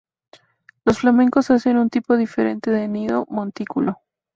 Los flamencos hacen un tipo diferente de nido montículo.